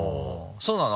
そうなの？